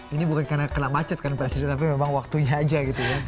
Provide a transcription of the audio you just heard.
ini bukan karena kena macet kan presiden tapi memang waktunya aja gitu ya